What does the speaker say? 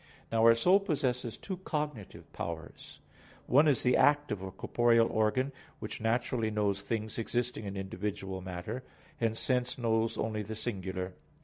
Now our soul possesses two cognitive powers; one is the act of a corporeal organ, which naturally knows things existing in individual matter; hence sense knows only the singular.